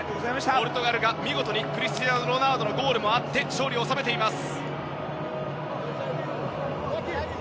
ポルトガルが見事にクリスティアーノ・ロナウドのゴールもあって勝利を収めています。